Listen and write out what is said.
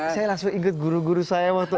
saya langsung inget guru guru saya waktu s